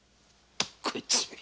こいつめ。